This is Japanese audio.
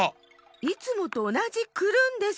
いつもとおなじクルンです！